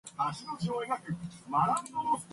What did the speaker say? “What can a woman do!” she replied bitterly.